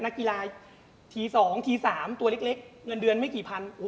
นักกีฬาที๒ที๓ตัวเล็กเงินเดือนไม่กี่พัน